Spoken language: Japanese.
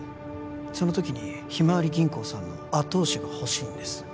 その時にひまわり銀行さんの後押しが欲しいんです